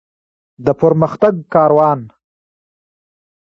د پرمختګ کاروان.